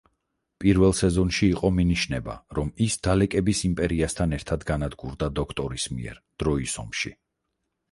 პირველ სეზონში იყო მინიშნება, რომ ის დალეკების იმპერიასთან ერთად განადგურდა დოქტორის მიერ დროის ომში.